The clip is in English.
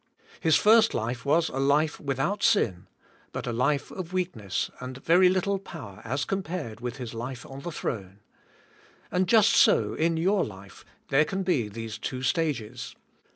His first life was a life without sin, but a life of weakness and very little power, as compared with His life on the throne. And just so in your life, there can be these two stages.